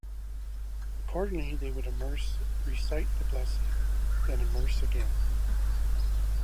Accordingly, they would immerse, recite the blessing, then immerse again.